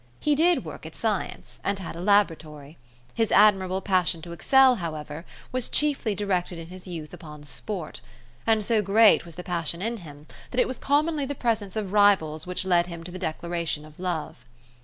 He did work at science, and had a laboratory. His admirable passion to excel, however, was chiefly directed in his youth upon sport; and so great was the passion in him, that it was commonly the presence of rivals which led him to the declaration of love.